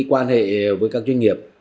quan hệ với các doanh nghiệp